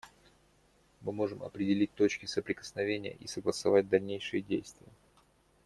Мы можем определить точки соприкосновения и согласовать дальнейшие действия.